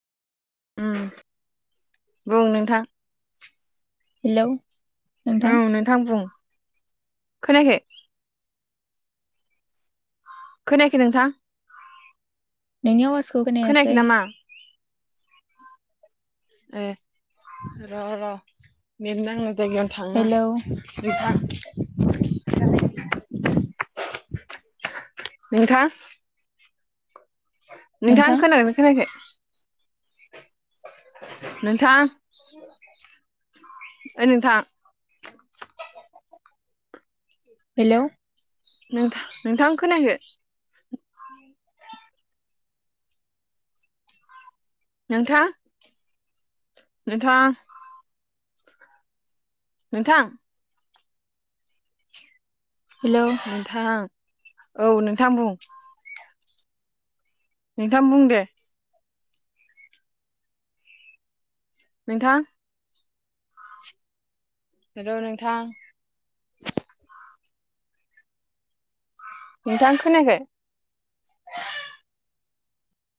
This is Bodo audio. ओम बुं नोंथां। हेलौ। औ नोंथां बुं खोनायाखै। खोनायाखै नोंथां। नोंनि आवाजखौ खोनायाखै खोनायासै। नामा ए र' र' नेत नाङो जायगायाव थांना हेलौ बिफां नोंथां नोंथां खोनाबाय ना खोनायाखै? नोंथां ओइ नोंथां। हेलौ नोंथाह नोंथां खोनायाखै। नोंथां नोंथां नोंथां हेलौ नोंथां औ नोंथां बुं। नोंथां बुं दे। नोंथां। हेल' नोंथां। नोंथां खोनायाखै